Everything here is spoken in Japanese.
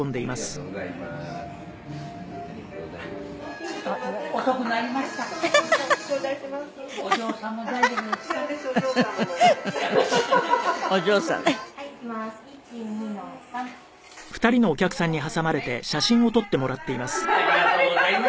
「うわーありがとうございます」